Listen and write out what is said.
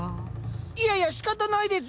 いやいやしかたないですよ。